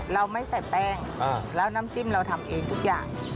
เราไม่ใส่แป้งแล้วน้ำจิ้มเราทำเองทุกอย่าง